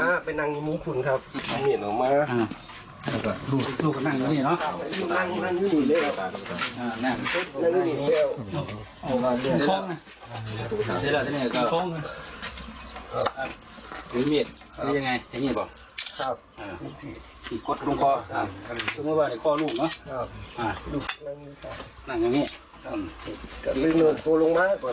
อ่านั่งนั่งอยู่ที่นี่เนี่ยอ๋อนั่งอยู่ข้องน่ะอ๋อนั่งอยู่ข้องน่ะ